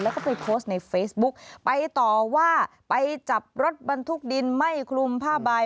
แล้วก็ไปโพสต์ในเฟซบุ๊กไปต่อว่าไปจับรถบรรทุกดินไม่คลุมผ้าใบ